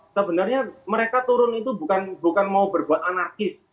sebenarnya mereka turun itu bukan mau berbuat anarkis